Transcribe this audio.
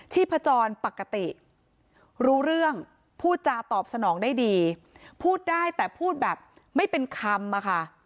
พจรปกติรู้เรื่องพูดจาตอบสนองได้ดีพูดได้แต่พูดแบบไม่เป็นคำอะค่ะ